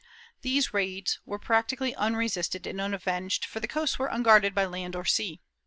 These raids were practically unresisted and unavenged, for the coasts were unguarded by land or sea.